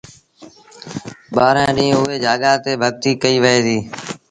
ٻآهرآݩ ڏيݩهݩ اُئي جآڳآ تي ڀڳتيٚ ڪئيٚ وهي ديٚ